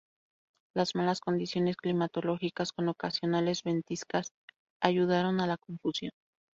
Las malas condiciones climatológicas, con ocasionales ventiscas, ayudaron a la confusión.